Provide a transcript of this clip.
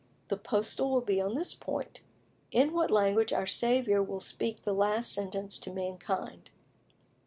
The postil will be on this point: In what language our Saviour will speak the last sentence to mankind.